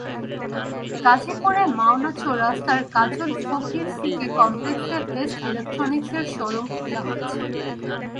গাজীপুরের মাওনা চৌরাস্তার কাজল ফকির সিটি কমপ্লেক্সে বেস্ট ইলেকট্রনিকসের শোরুম খোলা হয়েছে।